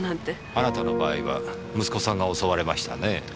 あなたの場合息子さんが襲われましたねえ。